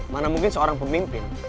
mana mungkin seorang pemimpin